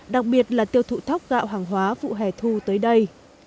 đặc biệt là tiêu thụ thóc gạo hàng hóa vụ hẻ thu tới đây